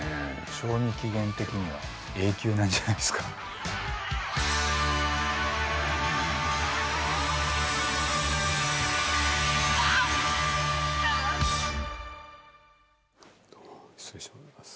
賞味期限的には永久なんじゃないっすか。失礼します。